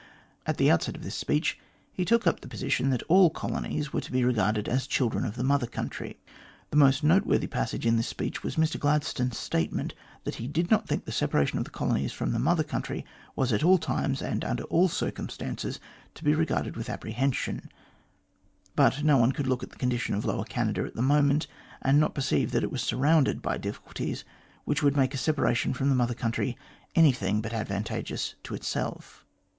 At the outset of this speech, he took up the position that all colonies were to be regarded as children of the Mother Country. The most noteworthy passage in this speech was Mr Gladstone's statement that he did not think the separation of the colonies from the Mother Country was at all times, and under all circumstances, to be regarded with apprehension; but no one could look at the condition of Lower Canada at that moment, and not perceive that it was surrounded by difficulties which would make a separation from the Mother Country anything but advantageous to itself.